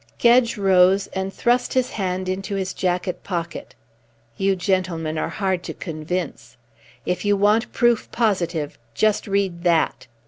Gedge rose and thrust his hand into his jacket pocket. "You gentlemen are hard to convince. If you want proof positive, just read that."